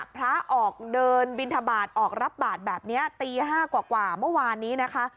พระออกเดินบินทบาทออกรับบาทแบบนี้ตี๕กว่าเมื่อวานนี้นะคะ